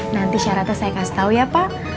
nanti syaratnya saya kasih tahu ya pak